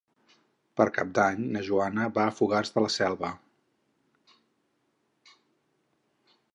Per Cap d'Any na Joana va a Fogars de la Selva.